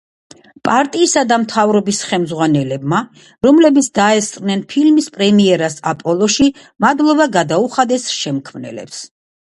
პარტიისა და მთავრობის ხელმძღვანელებმა, რომლებიც დაესწრნენ ფილმის პრემიერას „აპოლოში“, მადლობა გადაუხადეს შემქმნელებს.